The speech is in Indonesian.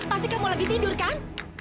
pasti kamu lagi tidur kan